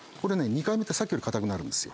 ２回目ってさっきより硬くなるんですよ。